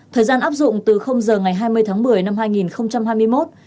thời gian áp dụng từ giờ ngày hai mươi tháng một mươi năm hai nghìn hai mươi một